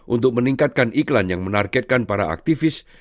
untuk meningkatkan iklan yang menargetkan para aktivis